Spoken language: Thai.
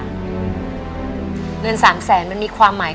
เดือนสามแสนมันมีความหมาย